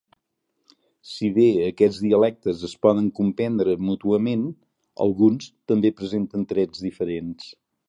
Si bé aquests dialectes es poden comprendre mútuament, alguns també presenten trets diferents.